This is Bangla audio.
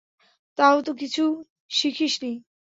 তাও তো কিচ্ছু শিখিস নি।